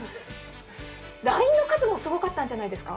ＬＩＮＥの数もすごかったんじゃないですか？